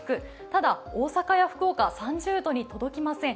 ただ、大阪や福岡は３０度に届きません。